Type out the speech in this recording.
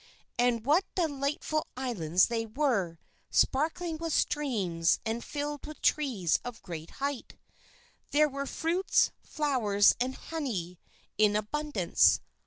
And what delightful islands they were, sparkling with streams, and filled with trees of great height. There were fruits, flowers, and honey in abundance.